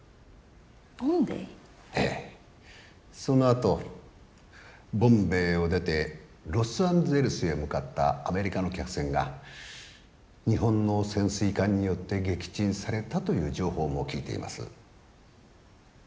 そのあとボンベイを出てロスアンゼルスへ向かったアメリカの客船が日本の潜水艦によって撃沈されたという情報も聞いています。